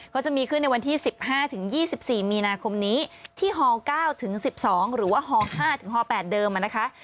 ก็จะมีขึ้นในวันที่๑๕๒๔มีนาคมนี้ที่ฮ๙ถึง๑๒หรือว่าฮ๕ฮ๘เดิมนะคะ